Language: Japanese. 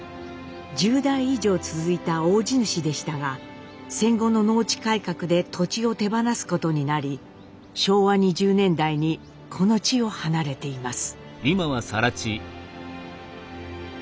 １０代以上続いた大地主でしたが戦後の農地改革で土地を手放すことになり昭和２０年代にこの地を離れています。